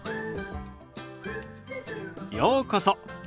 ようこそ。